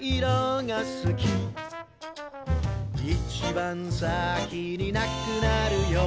「いちばん先になくなるよ」